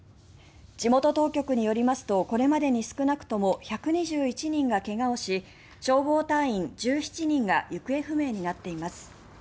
地元当局によりますとこれまでに少なくとも１２１人が怪我をし消防隊員１７人が行方不明になっています。